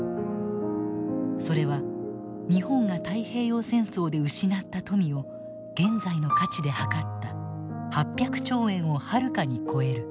それは日本が太平洋戦争で失った富を現在の価値ではかった８００兆円をはるかに超える。